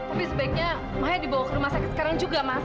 tapi sebaiknya makanya dibawa ke rumah sakit sekarang juga mas